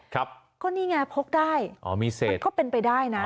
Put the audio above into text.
ครับก็นี่ไงพกได้มันเข้าเป็นไปได้นะ